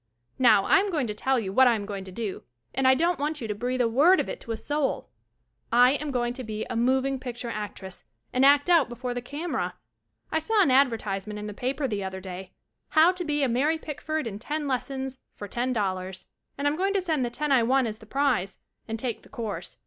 Now, I am going to tell you what I am going to do and I don't want you to breathe a word of it to a soul. I am going to be a moving picture actress and act out before the camera. I saw an advertise ment in the paper the other day "How to be a Mary Pick ford in Ten Lessons for Ten Dollars." and I am going to send the ten I won as the prize a n d take the course.